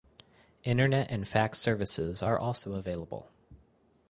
Internet and fax services are also available.